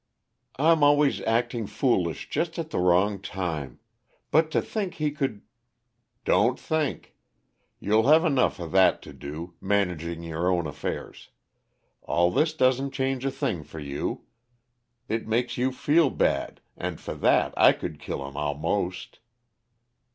"I'm always acting foolish just at the wrong time but to think he could " "Don't think! You'll have enough of that to do, managing your own affairs. All this doesn't change a thing for you. It makes you feel bad and for that I could kill him, almost!"